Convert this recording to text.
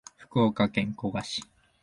福岡県古賀市